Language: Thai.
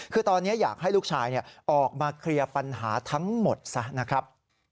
คือตอนนี้อยากให้ลูกชายออกมาเคลียร์ปัญหาทั้งหมดซะนะครับ